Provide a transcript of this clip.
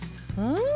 うん！